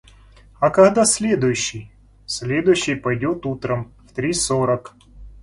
– А когда следующий? – Следующий пойдет утром, в три сорок.